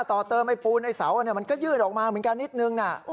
ต่อเติมไอ้ปูนไอ้เสามันก็ยืดออกมาเหมือนกันนิดนึงนะ